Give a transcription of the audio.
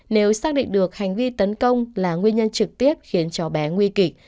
nếu xác định được hành vi tấn công là nguyên nhân trực tiếp khiến cho bé nguy kịch